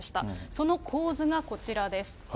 その構図がこちらです。